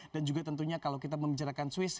dan juga tentunya kalau kita membicarakan swiss